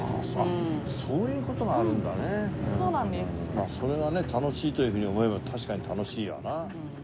まあそれがね楽しいというふうに思えば確かに楽しいわな。